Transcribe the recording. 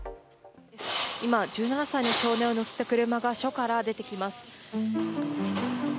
今、１７歳の少年を乗せた車が署から出てきます。